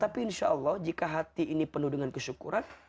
tapi insya allah jika hati ini penuh dengan kesyukuran